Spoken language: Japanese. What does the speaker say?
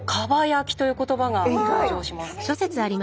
蒲焼きという言葉が登場します。